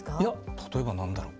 例えば何だろう。